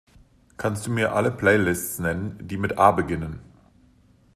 Kannst Du mir alle Playlists nennen, die mit A beginnen?